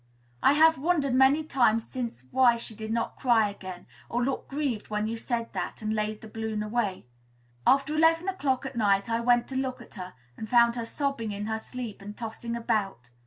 I have wondered many times since why she did not cry again, or look grieved when you said that, and laid the balloon away. After eleven o'clock at night, I went to look at her, and found her sobbing in her sleep, and tossing about.